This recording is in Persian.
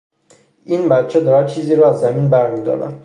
این بچه دارد چیزی را از زمین بر می دارد.